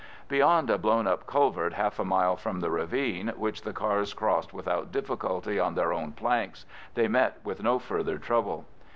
Beyond a blown up culvert half a mile from the ravine, which the cars crossed without difficulty on their own planks, they met with no further trouble.